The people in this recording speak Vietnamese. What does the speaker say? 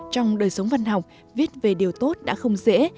trong đời sống văn học viết về điều tốt đã không dễ